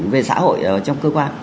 về xã hội trong cơ quan